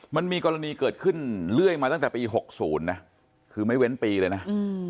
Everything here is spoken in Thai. มันมีกรณีเกิดขึ้นเรื่อยมาตั้งแต่ปีหกศูนย์นะคือไม่เว้นปีเลยนะอืม